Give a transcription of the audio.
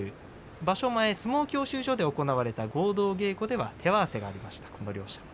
場所前の相撲教習所で行われた相撲手合わせがありました。